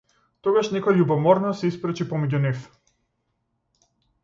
Тогаш некој љубоморно се испречи помеѓу нив.